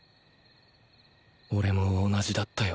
オレも同じだったよ